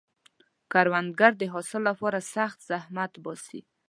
کروندګر د حاصل لپاره سخت زحمت باسي